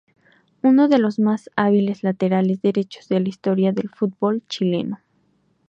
Uno de los más hábiles laterales derechos de la historia del fútbol chileno.